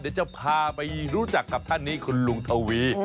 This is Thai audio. เดี๋ยวจะพาไปรู้จักกับท่านนี้คุณลุงทวี